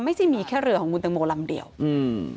ไม่ใช่มีแค่เรือของคุณตังโมลำเดียวอืม